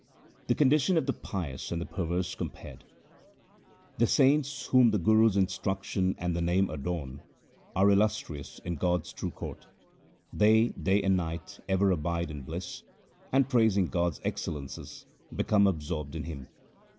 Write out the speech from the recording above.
The condition of the pious and the perverse com pared :— The saints whom the Guru's instruction and the Name adorn, Are illustrious in God's true court. They day and night ever abide in bliss, and praising God's excellences become absorbed in Him.